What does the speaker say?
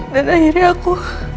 dan akhirnya aku